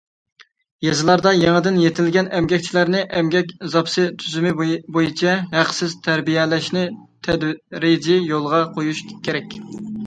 يېزىلاردا يېڭىدىن يېتىلگەن ئەمگەكچىلەرنى ئەمگەك زاپىسى تۈزۈمى بويىچە ھەقسىز تەربىيەلەشنى تەدرىجىي يولغا قويۇش كېرەك.